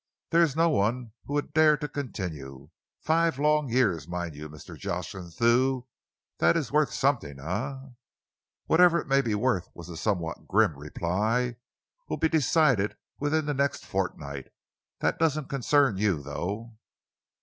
There is no one who would dare to continue. Five long years, mind you, Mr. Jocelyn Thew. That is worth something, eh?" "Whatever it may be worth," was the somewhat grim reply, "will be decided within the next fortnight. That doesn't concern you, though."